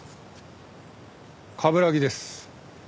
冠城です。